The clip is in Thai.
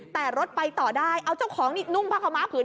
แต่รถไปต่อได้เอาเจ้าของนี่นุ่งผ้าขาวม้าผืน